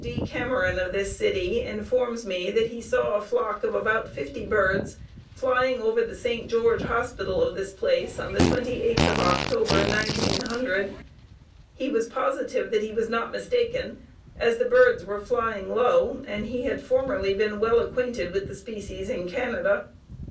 D. Cameron of this city informs me that he saw a flock of about fifty birds flying over the St. George Hospital of this place on the 28th of October, 1900. He was positive that he was not mistaken, as the birds were flying low, and he had formerly been well acquainted with the species in Canada.